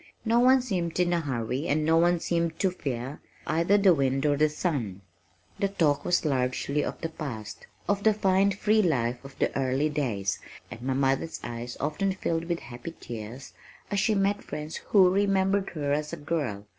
No one seemed in a hurry and no one seemed to fear either the wind or the sun. The talk was largely of the past, of the fine free life of the "early days" and my mother's eyes often filled with happy tears as she met friends who remembered her as a girl.